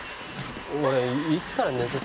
俺いつから寝てた？